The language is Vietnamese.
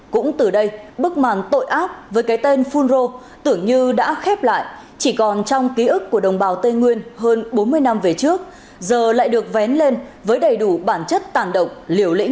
cũng từ đây bức màn tội ác với cái tên phunro tưởng như đã khép lại chỉ còn trong ký ức của đồng bào tây nguyên hơn bốn mươi năm về trước giờ lại được vén lên với đầy đủ bản chất tàn động liều lĩnh